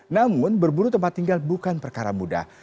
namun berburu tempat tinggal bukan perkara mudah